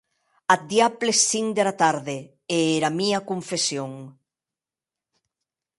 Ath diable es cinc dera tarde e era mia confession!